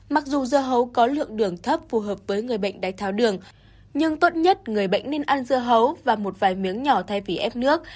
mặc dù dưa hấu có lượng đường thấp phù hợp với người bệnh đáy tháo đường nhưng tốt nhất người bệnh nên ăn dưa hấu và một vài miếng nhỏ thay vì ép nước